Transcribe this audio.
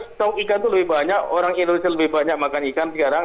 stok ikan itu lebih banyak orang indonesia lebih banyak makan ikan sekarang